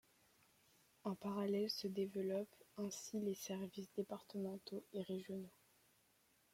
En parallèle se développent ainsi les services départementaux et régionaux.